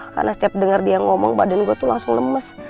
karena setiap denger dia ngomong badan gue tuh langsung lemes